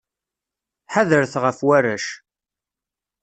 Ḥadret ɣef warrac.